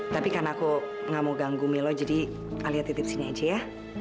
tapi karena aku gak mau ganggu milo jadi kalian lihat titip sini aja ya